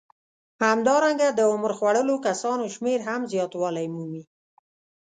همدارنګه د عمر خوړلو کسانو شمېر هم زیاتوالی مومي